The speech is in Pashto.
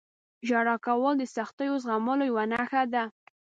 • ژړا کول د سختیو زغملو یوه نښه ده.